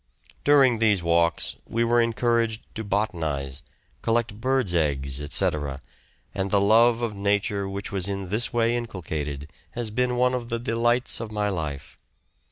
During these walks we were encouraged to botanise, collect birds' eggs, etc., and the love of nature which was in this way inculcated has been one of the delights of my life.